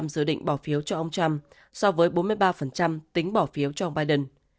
bốn mươi chín dự định bỏ phiếu cho ông trump so với bốn mươi ba tính bỏ phiếu cho ông biden